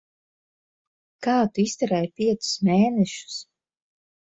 Kā tu izturēji piecus mēnešus?